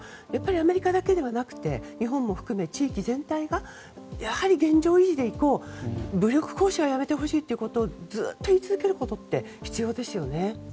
アメリカだけじゃなくて日本も含め地域全体が現状維持でいこう武力行使はやめてほしいとずっと言い続けることって必要ですよね。